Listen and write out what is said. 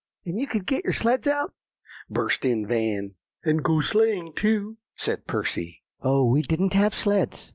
"And you could get your sleds out," burst in Van "And go sleighing too," said Percy. "Oh, we didn't have sleds!"